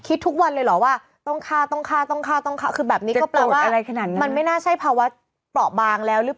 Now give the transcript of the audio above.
ที่ทุกวันเลยเหรอว่าต้องค่าต้องค่าต้องค่าต้องค่าคือ